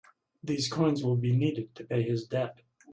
These coins will be needed to pay his debt.